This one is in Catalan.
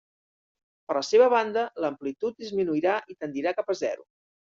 Per la seva banda, l'amplitud disminuirà i tendirà cap a zero.